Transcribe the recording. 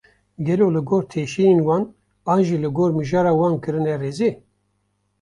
Gelo li gor teşeyên wan, an jî li gor mijara wan kirine rêzê?